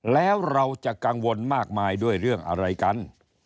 แล้วเราจะกังวลมากมายด้วยเรื่องอะไรกัน